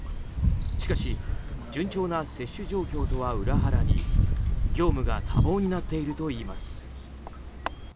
しかし順調な接種状況とは裏腹に業務が多忙になっているといいます。